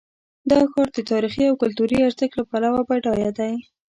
دا ښار د تاریخي او کلتوري ارزښت له پلوه بډایه دی.